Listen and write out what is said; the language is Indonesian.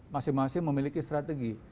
masing masing memiliki strategi